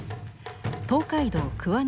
東海道・桑名宿